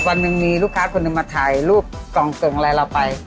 วันหนึ่งมีลูกค้าคนหนึ่งมาถ่ายรูปกล่องเกิ่งอะไรเราไป